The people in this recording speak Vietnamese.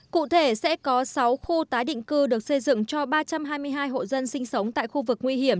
cụ thể sẽ có sáu khu tái định cư được xây dựng cho ba trăm hai mươi hai hộ dân sinh sống tại khu vực nguy hiểm